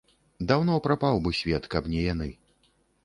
Даўно прапаў бы свет, каб не яны.